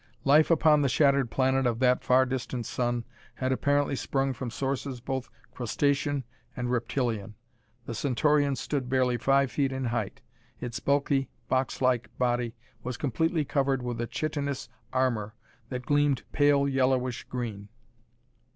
Life upon the shattered planet of that far distant sun had apparently sprung from sources both crustacean and reptilian. The Centaurian stood barely five feet in height. Its bulky, box like body was completely covered with a chitinous armor that gleamed pale yellowish green.